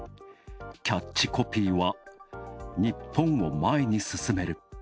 キャッチコピーは「日本を前に進める」。